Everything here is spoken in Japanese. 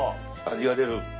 味が出る。